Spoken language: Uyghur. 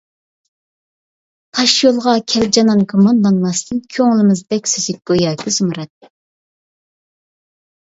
تاشيولغا كەل جانان گۇمانلانماستىن، كۆڭلىمىز بەك سۈزۈك گوياكى زۇمرەت.